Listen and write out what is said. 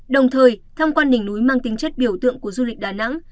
đồng thời tham quan đỉnh núi mang tính chất biểu tượng của du lịch đà nẵng